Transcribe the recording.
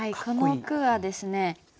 この句はですね